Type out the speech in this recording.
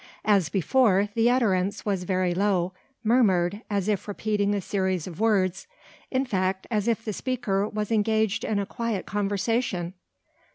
As before, the utterance was very low, murmured, as if repeating a series of words, in fact, as if the speaker was engaged in a quiet conversation.